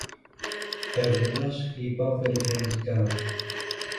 Φεύγοντας, είπα περιφρονητικά: